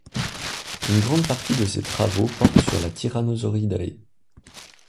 Une grande partie de ses travaux porte sur les Tyrannosauridae.